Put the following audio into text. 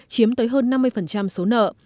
chiếm tới hơn năm mươi số nợ